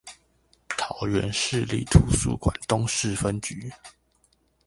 桃園市立圖書館東勢分館